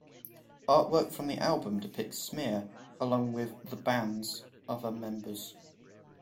Artwork from the album depicts Smear along with the band's other members.